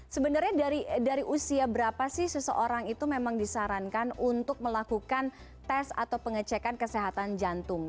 sebenarnya dari usia berapa sih seseorang itu memang disarankan untuk melakukan tes atau pengecekan kesehatan jantung